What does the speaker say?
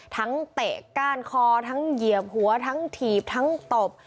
เตะก้านคอทั้งเหยียบหัวทั้งถีบทั้งตบ